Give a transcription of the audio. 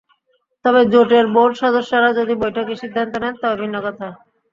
তবে জোটের বোর্ড সদস্যরা যদি বৈঠকে সিদ্ধান্ত নেন, তবে ভিন্ন কথা।